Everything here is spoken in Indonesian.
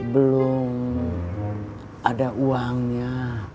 belum ada uangnya